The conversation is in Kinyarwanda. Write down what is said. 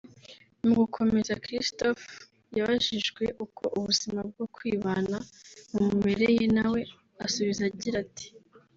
mugukomeza Christopher yabajijwe uko ubuzima bwo kwibana bumumereye nawe asubiza agira ati